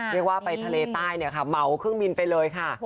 เรียกว่าไปทะเลใต้เนี่ยค่ะเหมาเครื่องบินไปเลยค่ะ